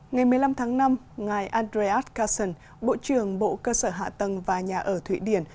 ngày một mươi năm tháng năm ngài andreas kasson bộ trưởng bộ cơ sở hạ tầng và nhà ở thụy điển